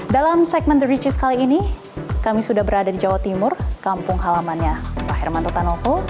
dalam segmen the recise kali ini kami sudah berada di jawa timur kampung halamannya pak hermanto tanovo